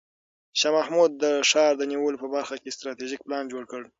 شاه محمود د ښار د نیولو په برخه کې ستراتیژیک پلان جوړ کړ.